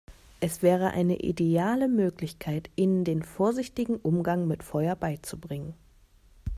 Es wäre eine ideale Möglichkeit, ihnen den vorsichtigen Umgang mit Feuer beizubringen.